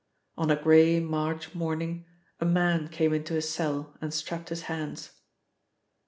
On a grey March morning a man came into his cell and strapped his hands.